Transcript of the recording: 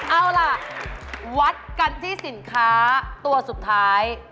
เอาล่ะวัดกันที่สินค้าตัวสุดท้าย